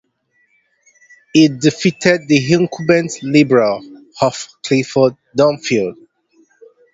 He defeated the incumbent Liberal Hugh Clifford Dunfield.